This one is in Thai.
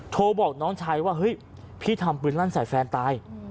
โทรบอกน้องชายว่าเฮ้ยพี่ทำปืนลั่นใส่แฟนตาย